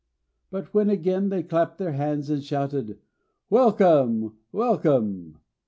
But when again they clapped their hands and shouted 'Welcome! Welcome!'